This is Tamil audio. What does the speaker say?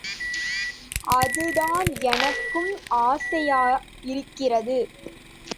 அதுதான் எனக்கும் ஆசையா இருக்கிறது.